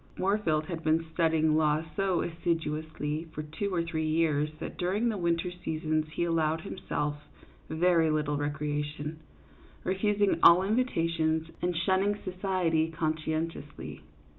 Moorfield had been studying law so assiduously for two or three years that during the winter seasons he allowed himself very little recreation, refusing all invitations, and shunning society conscientiously.